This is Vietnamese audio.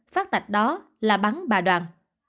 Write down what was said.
phát tạch đó là bắn bà đoàn